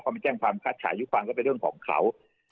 ก็มาแจ้งความช้าอายุความก็ไปด้วยของเขา